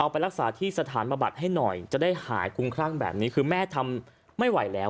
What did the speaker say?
ไปรักษาที่สถานบำบัดให้หน่อยจะได้หายคุ้มครั่งแบบนี้คือแม่ทำไม่ไหวแล้ว